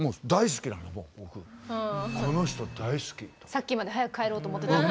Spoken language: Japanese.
さっきまで早く帰ろうと思ってたのに。